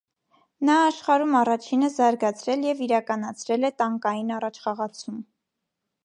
Նա աշխարհում առաջինը զարգացրել և իրականացրել է տանկային առաջխաղացում։